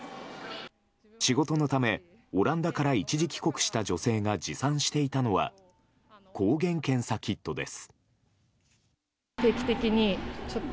仕事のため、オランダから一時帰国した女性が持参していたのは抗原検査キットです。